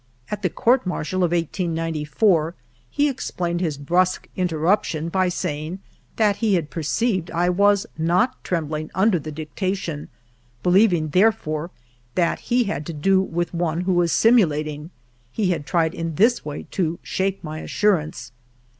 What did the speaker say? At the Court Martial of 1894, he explained his brusque interruption by saying that he had perceived I was not trembling under the dictation ; believing therefore that he had to do with one who was simulating, he had tried in this way to shake my assurance.)